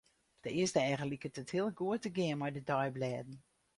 Op it earste each liket it heel goed te gean mei de deiblêden.